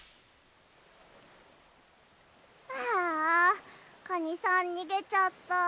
ああカニさんにげちゃった。